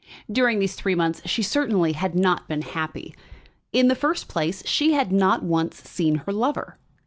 During these three months she certainly had not been happy. In the first place, she had not once seen her lover.